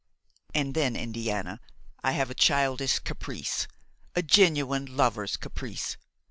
"And then, Indiana, I have a childish caprice, a genuine lover's caprice.